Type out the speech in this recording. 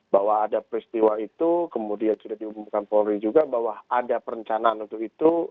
bahwa ada peristiwa itu kemudian sudah diumumkan polri juga bahwa ada perencanaan untuk itu